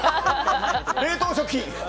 冷凍食品。